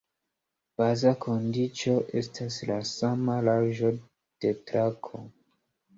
Baza kondiĉo estas la sama larĝo de trako.